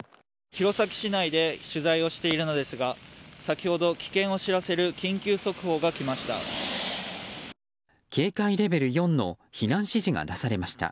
弘前市内で取材をしているのですが先ほど、危険を知らせる緊急速報が来ました。